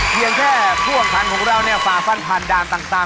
เพียงแค่ผู้แข่งขันของเราเนี่ยฝ่าฟันผ่านด่านต่าง